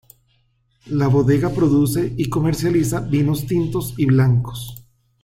La bodega produce y comercializa vinos tintos y blancos.